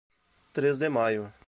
Três de Maio